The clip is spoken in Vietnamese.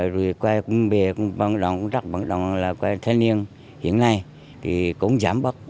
rồi quay công bề băng động rắc băng động là quay thanh niên hiện nay thì cũng giảm bắt